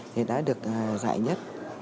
thì đã được giải nhất